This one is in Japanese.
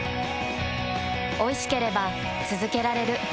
おいしければつづけられる。